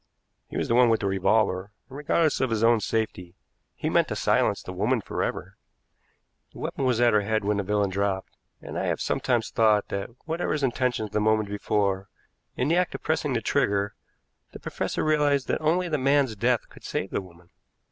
He was the one with the revolver, and, regardless of his own safety, he meant to silence the woman for ever. The weapon was at her head when the villain dropped, and I have sometimes thought that, whatever his intention the moment before, in the act of pressing the trigger the professor realized that only the man's death could save the woman.